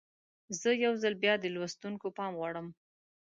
زه یو ځل بیا د لوستونکو پام غواړم.